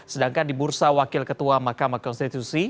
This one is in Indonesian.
sedangkan di bursa wakil ketua mahkamah konstitusi